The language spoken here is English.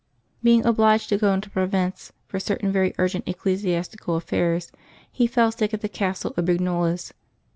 Being obliged to go into Provence for certain very urgent eccle siastical ajfairs, he fell sick at the castle of Brignoles.